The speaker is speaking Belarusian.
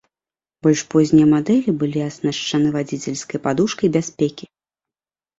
Больш познія мадэлі былі аснашчаны вадзіцельскай падушкай бяспекі.